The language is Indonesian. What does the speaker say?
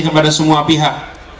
kepada semua pihak